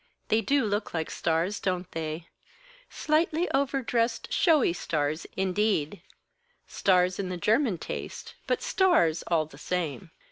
They do look like stars, don't they? Slightly overdressed, showy stars, indeed; stars in the German taste; but stars, all the same.